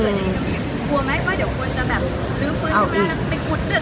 แต่ผมไงก็ทำที่เค้ามีความสูง